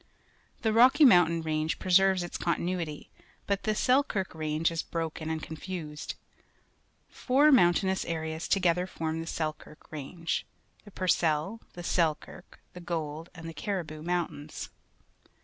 The Rocky Moimtain Range preserves its continuity, but the Selkirk Range is broken and confused. Four mountainous areas together form the Selkirk Range — Ihe Fur cell, the Selkirk, the Gold, and^ the Caxihoo Jdmrnt ains.